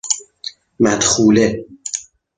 مدخوله